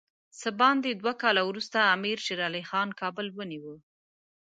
څه باندې دوه کاله وروسته امیر شېر علي خان کابل ونیوی.